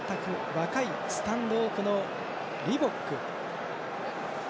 若いスタンドオフのリボック。